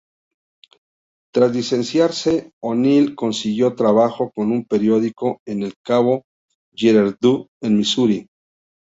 Tras licenciarse, O'Neil consiguió trabajo con un periódico en el cabo Girardeau, Missouri.